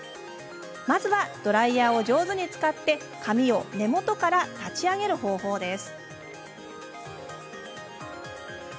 まずはドライヤーを上手に使って髪の根元を立ち上がらせる方法です。